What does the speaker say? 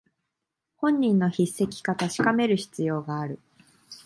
本人の筆跡か確かめる必要がある